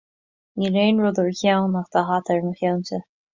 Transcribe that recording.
Níl aon rud ar a ceann, ach tá hata ar mo cheannsa